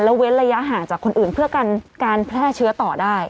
เว้นระยะห่างจากคนอื่นเพื่อการแพร่เชื้อต่อได้